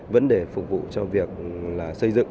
vẫn để phục vụ cho việc xây dựng